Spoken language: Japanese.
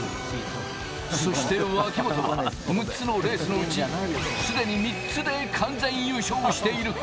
そして脇本は６つのレースのうち、すでに３つで完全優勝している。